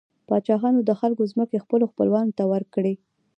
پاچاهانو د خلکو ځمکې خپلو خپلوانو ته ورکړې.